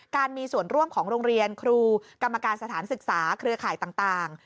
การมีส่วนร่วมของโรงเรียนครูกรรมการสถานศึกษาเครือข่ายต่าง